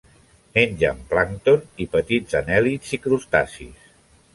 Mengen plàncton i petits anèl·lids i crustacis.